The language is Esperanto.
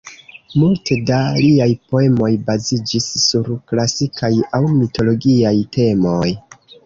Multe da liaj poemoj baziĝis sur klasikaj aŭ mitologiaj temoj.